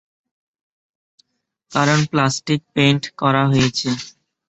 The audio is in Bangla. কারণ প্লাস্টিক পেইন্ট করা হয়েছে।